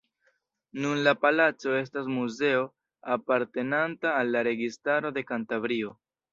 Nun la palaco estas muzeo apartenanta al la Registaro de Kantabrio.